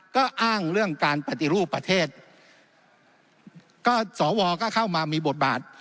ก็อ้างเรื่องการปฏิรูปประเทศก็สวก็เข้ามามีบทบาท